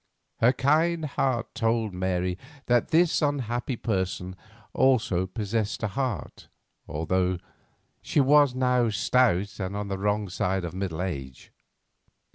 Her kind heart told Mary that this unhappy person also possessed a heart, although she was now stout and on the wrong side of middle age.